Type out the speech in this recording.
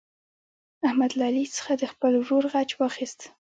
احمد له علي څخه د خپل ورور غچ واخیست.